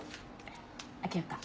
開けようか。